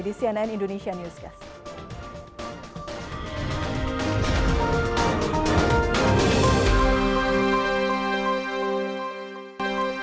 di cnn indonesia newscast